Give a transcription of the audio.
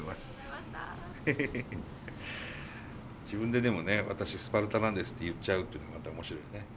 自分ででもね私スパルタなんですって言っちゃうっていうのまた面白いよね。